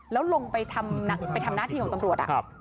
แล้วลงไปทำไปทำหน้าที่ของตำรวจอ่ะครับ